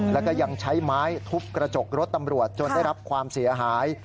แล้วก็ยังใช้ไม้ทุบกระจกรถตำรวจจนได้รับความเสียหาย